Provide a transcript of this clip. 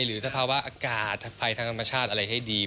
หรือสภาวะอากาศภายธรรมชาติอะไรให้ดี